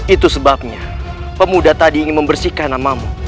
itu sebabnya pemuda tadi ingin membersihkan namamu